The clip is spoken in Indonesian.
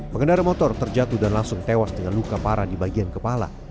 pengendara motor terjatuh dan langsung tewas dengan luka parah di bagian kepala